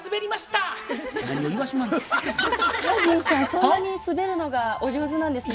そんなに滑るのがお上手なんですね。